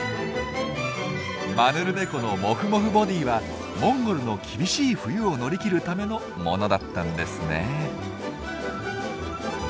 マヌルネコのモフモフボディーはモンゴルの厳しい冬を乗り切るためのものだったんですね。